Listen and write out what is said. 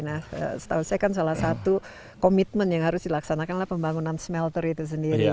nah setahu saya kan salah satu komitmen yang harus dilaksanakan adalah pembangunan smelter itu sendiri